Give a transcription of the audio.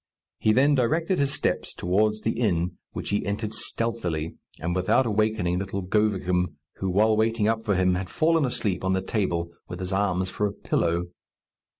He then directed his steps towards the inn, which he entered stealthily, and without awaking little Govicum, who, while waiting up for him, had fallen asleep on the table, with his arms for a pillow.